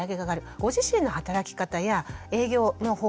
ご自身の働き方や営業の方法